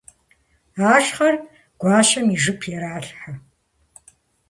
Ахъшэр гуащэм и жып иралъхьэ.